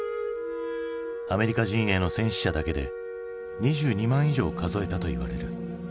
アメリカ陣営の戦死者だけで２２万以上を数えたといわれる。